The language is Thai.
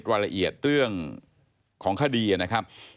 รายละเอียดเรื่องของคดีนะครับ